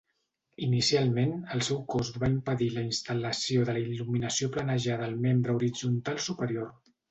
Inicialment, el seu cost va impedir la instal·lació de la il·luminació planejada al membre horitzontal superior.